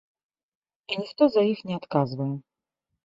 І ніхто за іх не адказвае.